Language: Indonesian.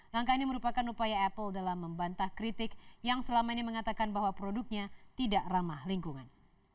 langkah ini merupakan upaya apple dalam membantah kritik yang selama ini mengatakan bahwa produknya tidak ramah lingkungan